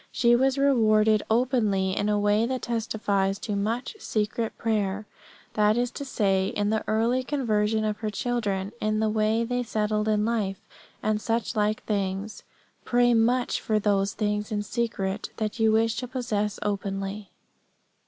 She was rewarded openly in a way that testifies to much secret prayer; that is to say, in the early conversion of her children, in the way they settled in life, and such like things. Pray much for those things in secret that you wish to possess openly.